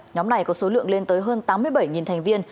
nhóm này có số lượng lên tới hơn tám mươi bảy thành viên